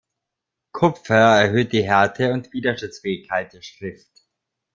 Kupfer erhöht die Härte und Widerstandsfähigkeit der Schrift.